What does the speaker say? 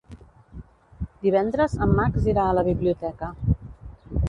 Divendres en Max irà a la biblioteca.